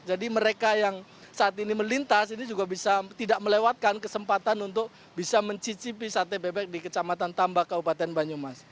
mereka yang saat ini melintas ini juga bisa tidak melewatkan kesempatan untuk bisa mencicipi sate bebek di kecamatan tambak kabupaten banyumas